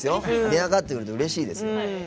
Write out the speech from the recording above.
電話かかってくるとうれしいです。